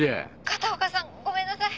片岡さんごめんなさい！